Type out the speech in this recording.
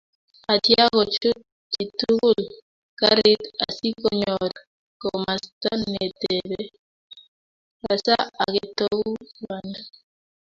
Atia kochut chitukul karit asikonyor komasta netebee, asaa aketou banda